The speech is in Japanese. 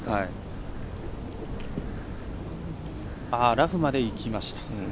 ラフまでいきました。